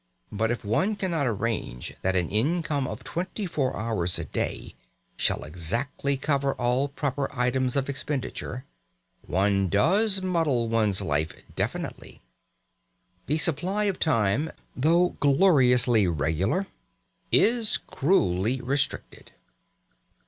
But if one cannot arrange that an income of twenty four hours a day shall exactly cover all proper items of expenditure, one does muddle one's life definitely. The supply of time, though gloriously regular, is cruelly restricted.